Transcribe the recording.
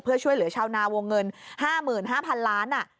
เพื่อช่วยเหลือชาวนาวงเงิน๕๕๐๐๐ล้าน